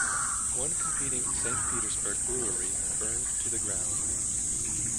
One competing Saint Petersburg brewery burned to the ground.